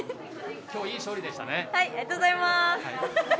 今日いい勝利でしたね。